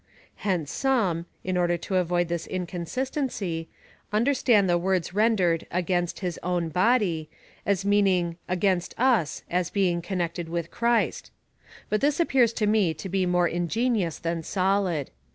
Hence some, in order to avoid this inconsistency, understand the words ren dered against his own body, as meaning against us, as being connected with Christ ; but this appears to me to be more ingenious than solid.